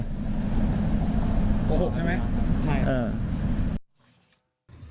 โกหกใช่ไหม